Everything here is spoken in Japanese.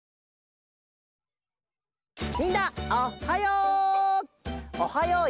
みんなおっはよう！